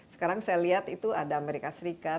sekarang saya lihat itu ada amerika serikat